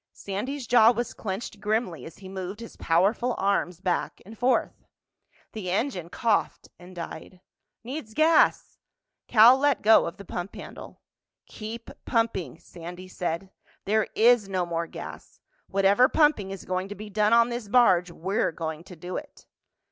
Sandy's jaw was clenched grimly as he moved his powerful arms back and forth. The engine coughed and died. "Needs gas!" Cal let go of the pump handle. "Keep pumping," Sandy said. "There is no more gas. Whatever pumping is going to be done on this barge—we're going to do it."